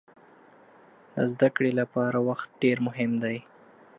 د زده کړې لپاره وخت ډېر مهم دی.